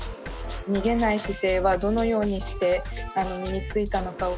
逃げない姿勢はどのようにして身についたのかを。